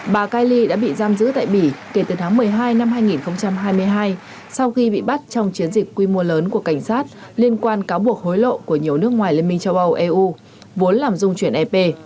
bà kaili đã bị giam giữ tại bỉ kể từ tháng một mươi hai năm hai nghìn hai mươi hai sau khi bị bắt trong chiến dịch quy mô lớn của cảnh sát liên quan cáo buộc hối lộ của nhiều nước ngoài liên minh châu âu eu vốn làm dung chuyển ep